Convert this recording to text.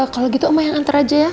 kalau gitu oma yang antar aja ya